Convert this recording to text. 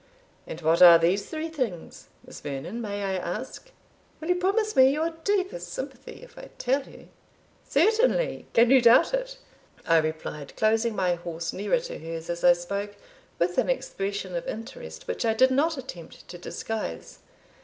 "And what are these three things, Miss Vernon, may I ask?" "Will you promise me your deepest sympathy, if I tell you?" "Certainly; can you doubt it?" I replied, closing my horse nearer to hers as I spoke, with an expression of interest which I did not attempt to disguise.